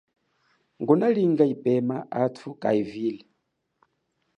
Ngunalinga yipema athu kayivile.